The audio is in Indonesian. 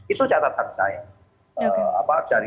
itu catatan saya